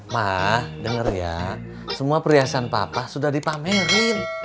mah dengar ya semua perhiasan papa sudah dipamerin